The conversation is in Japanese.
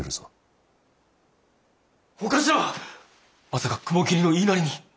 まさか雲霧の言いなりに。